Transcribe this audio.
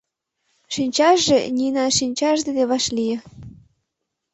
Шинчаже Нинан шинчаж дене вашлие.